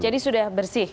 jadi sudah bersih